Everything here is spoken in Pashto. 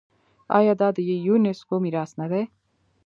آیا دا د یونیسکو میراث نه دی؟